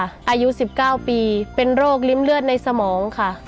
อายุ๑๙ปีเป็นโรคริมเลือดในสมองค่ะ